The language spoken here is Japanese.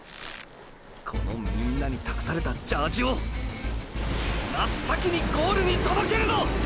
このみんなに託されたジャージを真っ先にゴールに届けるぞ！！